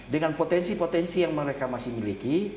dengan potensi potensi yang mereka masih miliki